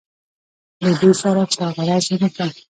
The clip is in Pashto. له دوی سره چا غرض ونه کړ.